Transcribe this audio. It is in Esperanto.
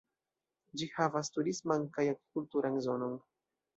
Ĝi havas turisman kaj agrikulturan zonon.